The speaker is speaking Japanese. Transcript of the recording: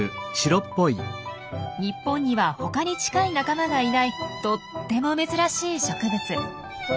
日本にはほかに近い仲間がいないとっても珍しい植物。